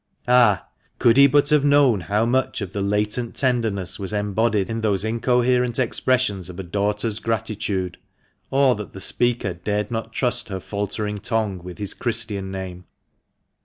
Ah! could he but have known how much of latent tenderness was embodied in those incoherent expressions of a daughter's gratitude, or that the speaker dared not trust her faltering tongue with his Christian name